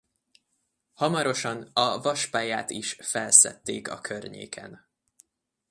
Hamarosan a vaspályát is felszedték a környéken.